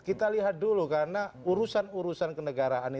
kita lihat dulu karena urusan urusan kenegaraan ini